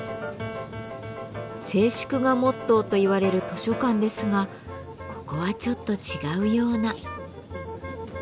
静粛がモットーといわれる図書館ですがここはちょっと違うような。